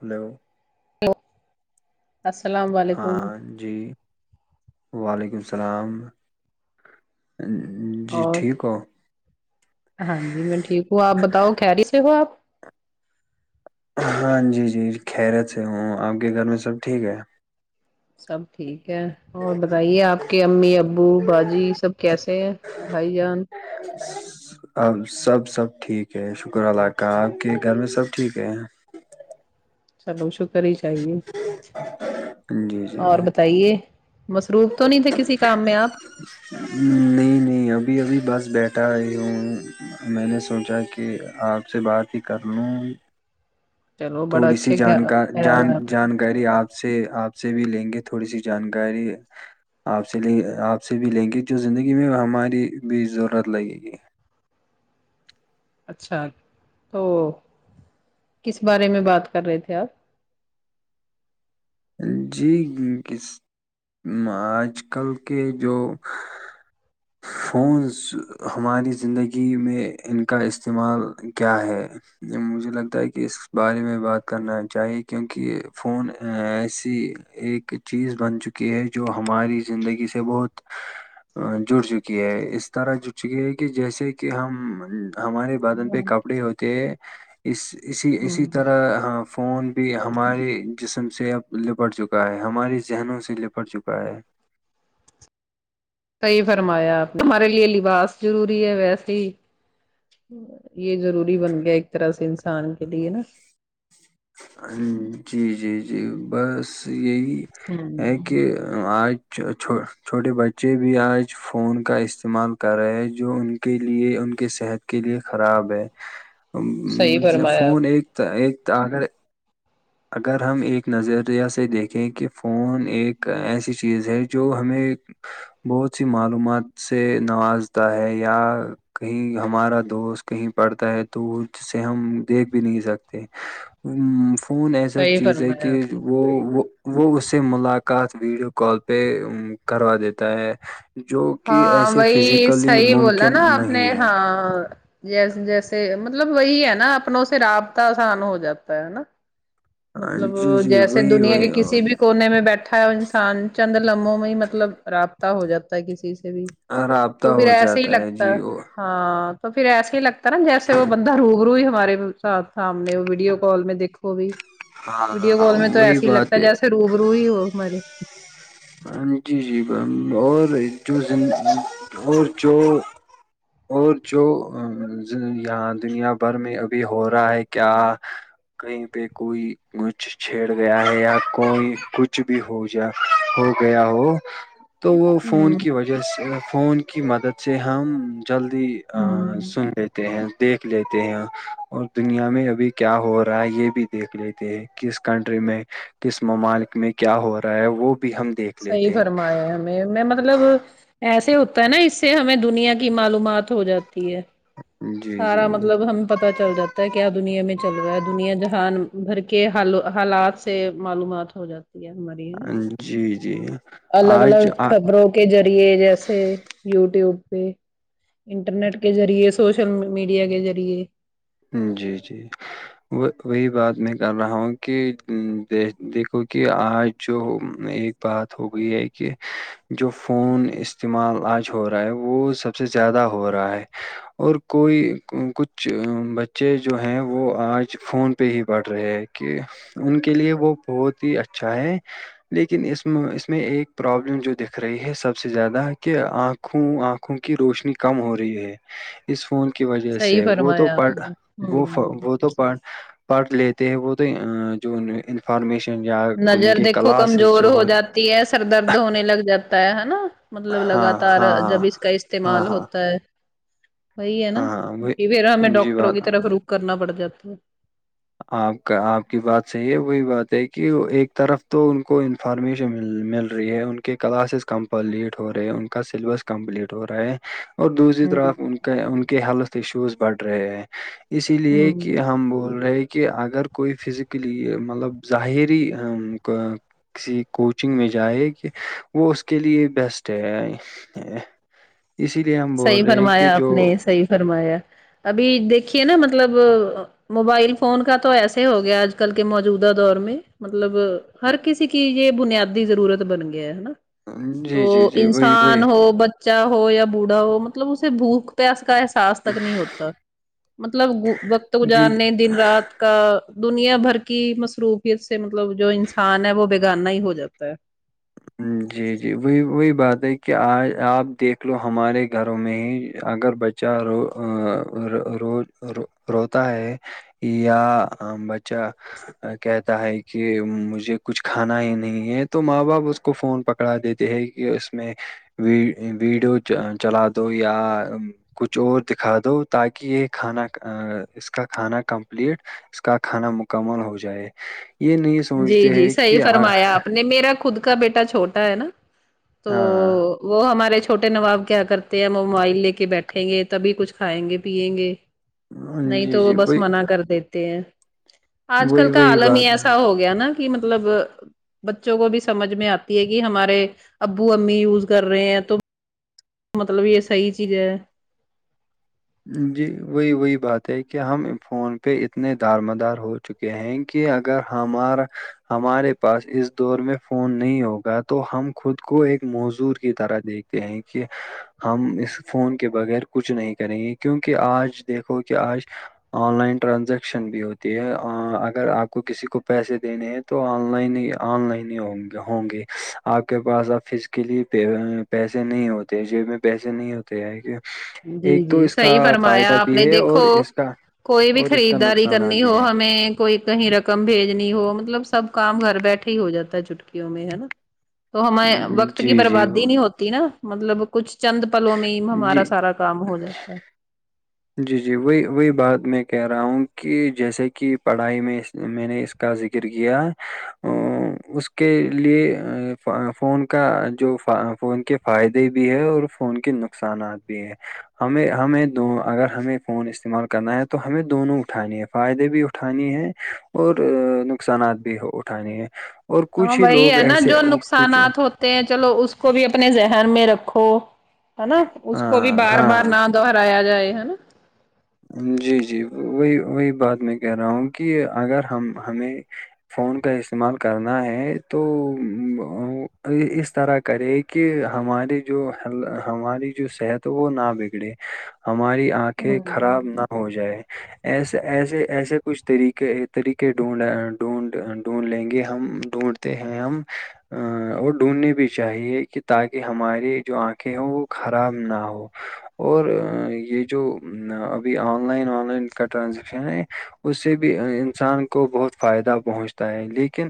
Hello السلام ع ہاں جی وعلیکم اللام جی اور ٹھیک ہو ہاں جی میں ٹھیک ہوں آپ بتاؤ کہہ رہی تھ ہو آپ ہاں جی جی خیرت سے ہوں آپ کے گھر میں سب ٹھیک ہے سب ٹھیک ہے اور بتائیے آپ کے امی ابو باجی سب کیسے ہیں بھائی جان ج اب سب سب ٹھیک ہے شکر اللہ کا آپ کے گھر میں سب ٹھیک ہے چلو شو کری چاہیے جی جی اور بتائیے مصروف تو نہیں تھے کسی کام میں آپ نہیں نہیں ابھی ابھی بس بیٹھا آئی ہوں میں نے سوچا کہ آپ سے بات ہی کر لوں چلو بڑا تھوڑی سی اچھے جانک خیال جان ہے آپ۔ جانکاری آپ سے آپ سے بھی لیں گے تھوڑی سی جانکاری آپ سے ل آپ سے بھی لیں گے جو زندگی میں ہماری بھی ضرورت لگے گی اچھا تو کس بارے میں بات کر رہے تھے آپ جی ک آج کل کے جو [inaudible] فونز ہماری زندگی میں ان کا استعمال کیا ہے مجھے لگتا ہے کہ اس بارے میں بات کرنا چاہیے کیونکہ فون ایسی ایک چیز بن چکی ہے جو ہماری زندگی سے بہت جڑ چکی ہے اس طرح جٹ چکی ہے کہ جیسے کہ ہم ہمارے بادن پہ ہمم کپڑے ہوتے ہیں اس اسی اسی طرح ہ فون بھی ہمارے جسم سے اب لپٹ چکا ہے ہمارے ذہنوں سے لپٹ چکا ہے صحیح فرمایا آپ نے ہمارے لیے لباس ضروری ہے ویسے ہی یہ ضروری بن گیا ایک طرح سے انسان کے لیے نا جی جی جی بس یہی ہے ہمم کہ آج چھوٹے بچے بھی آج فون کا استعمال کر رہے ہیں جو ان کے لیے ان کے صحت کے لیے خراب ہے [inaudible] صحیح فرمایا فون آپ نے ایک تو ایک تو اگر اگر ہم ایک نظریہ سے دیکھیں کہ فون ایک ایسی چیز ہے جو ہمیں بہت سی معلومات سے نوازتا ہے یا کہیں ہمارا دوست کہیں پڑتا ہے تو جسے ہم دیکھ بھی نہیں سکتے خون ایسا صحیح چیز ہے فرمایا کہ آپ نے وہ وہ وہ اس سے ملاقات ویڈیو کال پہ کروا دیتا ہے جو کہ ہاں ایسے وہی فزیکلی صحیح بولا ممکن نا آپ نے نہیں ہے ہاں جیس جیسے مطلب وہی ہے نا اپنوں سے رابطہ آسان ہو جاتا ہے نا ہاں، مطلب جی جی جیسے وہی دنیا کے وہی کسی بھی کونے میں بیٹھا اھا انسان چند لمبوں میں مطلب رابطہ ہو جاتا ہے کسی سے بھی رابطہ تو پھر ہو ایسے ہی جاتا ہے لگتا جی وہ ہاں تو پھر ایسا ہی لگتا ہے نا جیسے وہ بندہ روح روئی ہمارے سامنے ویڈیو کال میں دھو بھی ہاں ویڈیو ہاں، کال میں تو وہی ایسے ہی لگتا بات ہے جیسے روب رو ہی ہو ہماری ہ جی جی اور جو اور جو اور جو یہاں دنیا بھر میں ابھی ہو رہا ہے کیا کہیں پہ کوئی کچھ چھیڑ گیا ہے یا کوئی کچھ بھی ہو جا ہو گیا ہو تو وہ فون ہوں کی وجہ سے فون کی مدد سے ہم جلدی ہوں سن لی ہیں دیکھ لیتے ہیں اور دنیا میں ابھی کیا ہو رہا ہے یہ بھی دیکھ لیتے ہیں کس کنٹری میں کس ممالک میں کیا ہو رہا ہے وہ بھی ہم دیکھ صحیح لیتے ہیں فرمایا ہمیں میں مطلب ایسے ہوتا ہے نا اس سے ہمیں دنیا کی معلومات ہو جاتی ہے جی سارا جی مطلب سم پتا چل جاتا ہے کیا دنیا میں چل رہا ہے دنیا جہان بھر کے حالات سے معلومات ہو جاتی ار مری ہے نا [unintelligible] الگ آج الگ آ- خبروں کے ذریعے جیسے یوٹیوب پہ انٹرنیٹ کے ذریعے سوشل میڈیا کے ذریعے جی جی وہی بات میں کر رہا ہوں کہ دیکھو کہ آج جو ایک بات ہو گئی ہے کہ جو فون استعمال آج ہو رہا ہے وہ سب سے زیادہ ہو رہا ہے اور کوئی کچھ بچے جو ہیں وہ آج فون پہ ہی پڑھ رہے ہیں کہ ان کے لیے وہ بہت ہی اچھا ہے لیکن اس اس میں ایک پرابلم جو دکھ رہی ہے سب سے زیادہ کہ آنکھ آنکھوں آنکھوں کی روشنی کم ہو رہی ہے اس فون کی وجہ صحیح سے وہ تو فرمایا پھ آپ نے وہ ہوں وہ تو پھ پڑھ لیتے ہیں وہ تو جو انفارمیشن یا ان نظر کے دیکھو کلاسز کمزور جو ہو جاتی سر درد ہونے لگ جاتا ہے نا مطلب ہاں لگاتار ہاں جب اس کا ہاں ہاں استعمال ہو ہاں وہی ہے نا ہاں ہاں وہ- کہ پھرا ہمیں جی ڈاکٹروں بات کی طرف رخ کرنا پڑ جاتا ہے آپ کا آپ کی بات صحیح ہے وہی بات ہے کہ ایک طرف تو ان کو فارمیشن مل رہی ہے ان کے کلاسز کمپلیٹ ہو رہے ہے ان کا سلیبس کمپلیٹ ہو رہا ہے اور دوسری ہوں طرف ان کے ان کے ہیلتھ ایشوز بڑھ رہے ہیں اسی لیے کہ ہوں ہم بول رہے کہ اگر کوئی فزکلی مطلب ظاہری کسی کوچنگ میں جائے کہ وہ اس کے لیے بیسٹ ہے [unintelligible] اسی لیے ہم بول صحیح رہے ہیں کہ فرمایا آپ جو نے صحی فرمایا ابھی دیکھیے نا مطلب موبائل فون کا تو ایسے ہو گیا آج کل کے موجودہ دور میں مطلب ہر کسی کی یہ بنیادی ضرورت بن گیا ہے ہے نا جی تو جی جی وہی وہی انسان ہو بچہ ہو یا بوڑھا ہو مطلب اسے بھوک اس کا احساس تک نہیں ہوتا مطلب وقت جی گزارنے دن رات کا دنیا بھر کی مصروفیت سے مطلب جو انسان ہے وہ بگانہ ہی ہو جاتا ہے جی جی وہی وہی بات ہے کہ آ آپ دیکھ لو ہمارے گھروں میں ہی اگر بچ چا رو روو روتا ہے یابچہ کہتا ہے کہ مجھے کچھ کھانا ہی نہیں ہے تو ماں باپ اس کو فون پکڑا دیتے ہیں کہ اس میں ویڈیو چلا دو یا کچھ اور دکھا دو تاکہ یہ کھانا اس کا کھانا کمپلیٹ اس کا کھانا مکمل ہو جائے یہ نہیں جی سوچتے جی ہے صحیح کہ آ- فرمایا آپ نے میرا خود کا بیٹا چھوٹا ہے نا تو ہاں وہ ہمارے چھوٹے نواب کیا کرتے ہیں ہم وہ موبائل لے کے بیٹھیں گے تبھی کچھ کھائیں گے پیئیں گے نہیں جی تو وہ جی بس وہی منع کر دیتے ہیں آج وہی کل کا وہی عالم بات ہی ایسا ہو گیا نا کہ مطلب بچوں کو بھی سمجھ میں آتی ہے کہ ہمارے ابو امی یوز کر رہے ہیں تو مطلب یہ صحی چیز ہے جی وہی وہی بات ہے کہ ہم فون پہ اتنے دار مدار ہو چکے ہیں کہ اگر ہمارا ہمارے پاس اس دور میں فون نہیں ہوگا تو ہم خود کو ایک موزور کی طرح دیکھتے ہیں کہ ہم اس فون کے بغیر کچھ نہیں کریں گے کیونکہ آج دیکھو کہ آج آن لائن ٹرانزیکشن بھی ہوتی ہے اگر آپ کو کسی کو پیسے دینے ہیں تو آن لائن ہی آن لائن ہی ہ ہوں گی آپ کے پاس آ فز کےلی پ پیسے نہیں ہوتے جیب میں پیسے نہیں ہوتے ہے کہ جی ایک تو جی اس کا صحیح فائدہ فرمایا آپ بھی نے ہے دیکھو اور اس کا کوئی بھی اور اس کا خریدداری نقصانات کرنی ہو بھی ہے ہمیں کوئی کہیں رقم بھیجنی ہو مطلب سب کام گھر بیٹھے ہی ہو جاتا ہے چھٹکیوں میں ہے نا تو ہمیں وقت کی جی جی بربادی نہیں ہوتی نا مطلب کچھ چند پلوں میں ہی ہمارا جی سارا کام ہو جاتا ہے جی جی وہی وہی بات میں کہہ رہا ہوں کہ جیسے کہ پڑھائی میں میں نے اس کا سکرک ا اس کے لیے فون کا جو فون کے فائدے بھی ہے اور فون کے نقصانات بھی ہے ہمیں ہمیں دو اگر ہمیں فون استعمال کرنا ہے تو ہمیں دونوں اٹھانی ہے فائدے بھی اٹھانیے ہیں اور نقصانات بھی اٹھانے ہے اور ہاں کچھ ہی وہی لوگ ہے نا ایسے جو کچھ نقصانات ہوتے چلو اس کو بھی اپنے ذہن میں رکھو ہے نا اس کو بھی ہاں، ہاں، بار بار ہاں نہ دہرایا جائے ہےا جی جی وہی وہی بات میں کہہ رہا ہوں کہ اگر ہم ہمیں فون کا استعمال کرنا ہے تو اس طرح کرے کہ ہماراری جو ہماری جو صحت وہ نہ بگڑے ہماری آ کے ہ خراب نہ ہو جائے ایسے ایسے ایسے کچھ طریقے طریقے ڈھونڈ ڈھونڈ ڈھونڈ لیں گے ہم ڈھونڈ ت ہم ہم ا وہ ڈھونڈنی بھی چاہیے کہ تاکہ ہماری جو آنکھیں ہیں وہ خراب نہ ہ اور یہ جو ابھی آن لائن آن لائن کا ٹرانزیکشن ہے اس سے بھی انسان کو بہت فائدہ پہنچتا ہے لیکن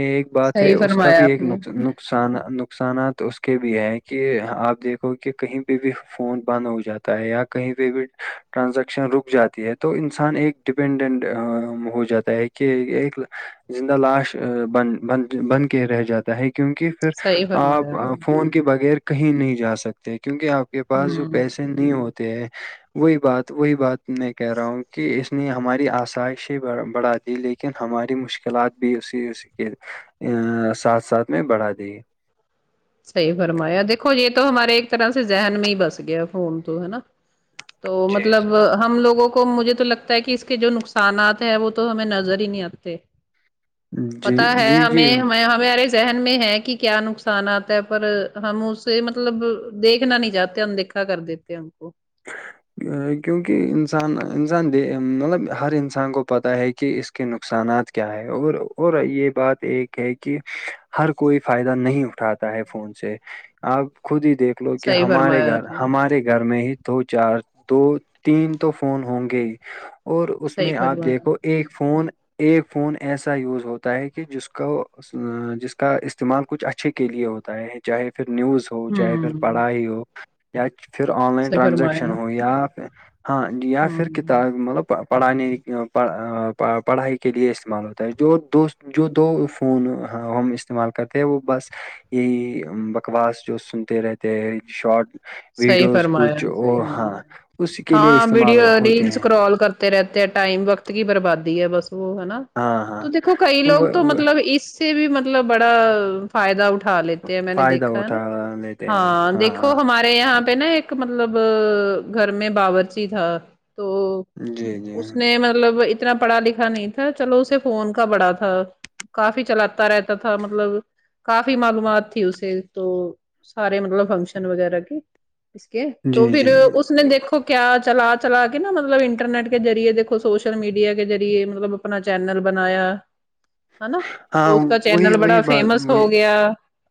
ایک بات ہے صحیح اس کا فرمایا بھی آپ ایک نے نقص ن نقصان نقصانات اس کے بھی ہے کہ آپ دیکھو کہ کہیں پہ بھی فون بند ہو جاتا تا ہے یا کہیں پہ بھی ٹرانزیکشن رک جاتی ہے تو انسان ایک ڈپینڈنٹ ہو جاتا ہے کہ ایک زندہ لاش بن ب بن کے رہ جاتا ہے کیونکہ پھر صحیح فرمایا آپ نے فون کے بغیر کہیں نہیں جا سکتے کیونکہ آپ کے پاس جو ہوں پیسے نہیں ہوتے ہیں وہی بات وہی بات میں کہہ رہا ہوں کہ اس نے ہماری آسائش بڑھا دی لیکن لیکن ہماری مشکلات بھی اسی اس کے ساتھ ساتھ میں بڑھا دی صحیح فرمایا دیکھو یہ تو ہمارے ایک طرح سے ذہن میں ہی بس گیا فون تو ہے نا تو جی مطلب جی ہم لوگوں کو مجھے تو لگتا ہے کہ اس کے جو نقصانات ہے وہ تو ہمیں نظر ہی نہیں آتے جی پتا ہے جی جی ہمیں ہمارے ذہن میں ہے کہ کیا نقصانات پر ہم اسے مطلب دیکھنا نہیں چاہتے اندیکھا کر دیتے ہم کو [inaudible] کیونکہ انسان انسان د مطلب ہر انسان کو پتہ ہے کہ اس کے نقصانات کیا ہے اور اور یہ بات ایک ہے کہ ہر کوئی فائدہ نہیں اٹھاتا ہے فون سے آپ خود ہی دیکھ لو کہ صحیح ہمارے فرمایا گھر آپ نے ہمارے گھر میں ہی دو چار دو تین تو فون ہوں گے ہی اور اس صحیح میں آپ فرمایا دیکھو ایک فون ایک فون ایسا یوز ہوتا ہے کہ جس کو اس جس کا استعمال کچھ اچھے کے لیے ہوتا ہے چاہے پھر نیوز ہو چاہے پھر ہوں پڑھائی ہو یا پھر آن لائن صحیح ٹرانزیکشن فرمایا ہو یا پھر ہاں ج یا پھر ہوں کتاب مطلب پڑھانے پڑھائی کے لیے استعمال ہوتا ہے جو دوست جو دو فون ہم استعمال کرتے ہیں وہ بس یہ بکواس جو سنتے رہتے ہے شارٹ سحی ویڈیوز فرمایا کچھ اور ہ ہاں اس کے لیے ہاں استعمال وڈیو ہوتے ریلس ہیں کرال کر تے رہتے ٹائم وقت کی بربادی ہے بس وہ ہےا ہاں ہاں تو دیکھو کئی لوگ وہ تو وہ مطلب اس سے بھی مطلب بڑا فائدہ اٹھا لیتے ہیں میں نے فائدہ دیکھا ہے نا اٹھا لیتے ہیں ہاں دیکھو ہاں ہمارے میرے یہاں پہ نا ایک مطلب گھر میں باورچی تھا تو جی جی اس نے مطلب اتنا پڑھا لکھا نہیں تھا چلو اسے فون کا بڑا تھا کافی چلاتا رہتا تھا مطلب کافی معلومات تھی اسے تو سارے مطلب فنکشن وغیرہ کے اس کے تو جی پھر جی اس نے دیکھو کیا چلا چلا کے نا مطلب انٹرنیٹ کے ذریعے دیکو سوشل میڈیا کے ذریعے مطلب اپنا چینل بنایا ہ نا ہاں تو اس کا وہی چینل بڑا وہی بات فیمس وہی ہو گیا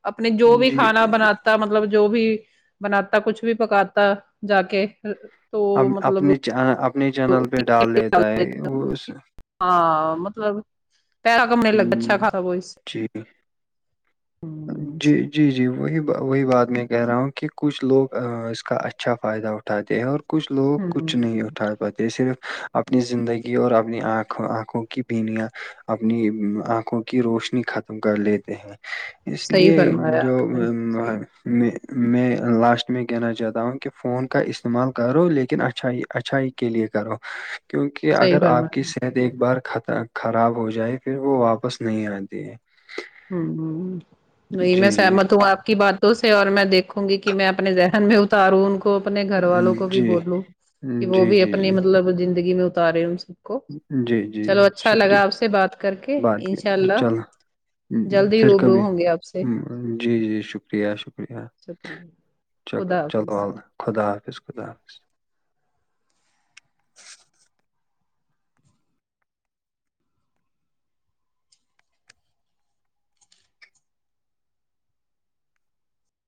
اپنے جو بھی جی کھانا بناات ت مطلب جو بھی بنااتتا کچھ بھی پکاتتا جا کے مطلب اپنے اپنے چینل پہ ڈال دیتا ہے وہ ہاں مطلب پیرا کمنے ل اچھا خراب ہو اس سے جچھ ہاں جی جی جی وہی وہی بات میں کہہ رہا ہوں کہ کچھ لوگ اس کا اچھا فائدہ اٹھا اٹھاتے ہیں اور کچھ لوگ ہ کچھ ہ نہیں اٹھا پاتے یہ صرف اپنی زندگی اور اپنی آنکھوں آنکھوں کی بینیاں اپنی آنکھوں کی روشنی ختم کر لیتے ہیں اس صحیح لیے فرمایا جو آپ نے میں میں لاسٹ میں کہنا چاہتا ہوں کہ فون کا استعمال کرو لیکن اچھا اچھا کے لیے کرو کیونکہ صحیح اگر آپ کی فرمایا صحت ایک بار خراب ہو جائے پھر وہ واپس نہیں آتی ہے ہ ہ نہیں میں جی، جی سہمت ہوں آپ کی بات سے اور میں دیکھوں گی کہ میں اپنے ذہن میں اتاروں ان کو کو اپنے گھر والوں کو جی بھی جی بولو کہ وہ جی بھی اپنی جی مطلب زندگی میں اتارے ان سے جی جیی شکریہ آپ سے بات کر کے بات انشاء کر اللہ چل جلدی پھر روبرو کبھی ہوں گے آپ سے جی جی شکریہ شکریہ شکریہ چکو خدا چلو حافظ اللہلہ خدا حافظ خدا حافظ